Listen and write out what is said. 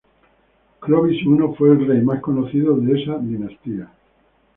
Clovis I fue el rey más conocido de esta dinastía.